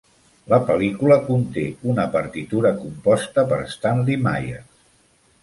La pel·lícula conté una partitura composta per Stanley Myers.